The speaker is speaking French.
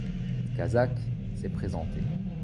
Cette casaque s'est présentée.